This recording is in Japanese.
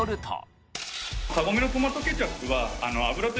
カゴメのトマトケチャップは。